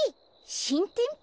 しんてんぴ？